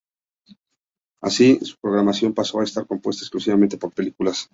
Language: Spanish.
Así, su programación pasó a estar compuesta exclusivamente por películas.